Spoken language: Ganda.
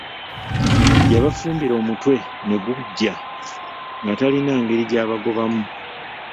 Yabafumbira omutwe ne guggya, nga talina ngeri gy'abagobamu